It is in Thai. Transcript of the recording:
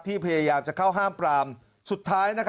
พยายามจะเข้าห้ามปรามสุดท้าย